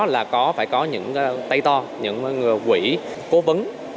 là phải có những tay to những quỷ cố vấn